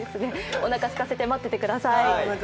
おなかをすかせて待っていてください。